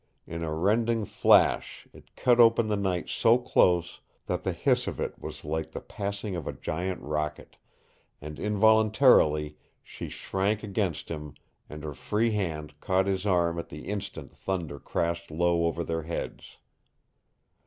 In a rending flash it cut open the night so close that the hiss of it was like the passing of a giant rocket, and involuntarily she shrank against him, and her free hand caught his arm at the instant thunder crashed low over their heads.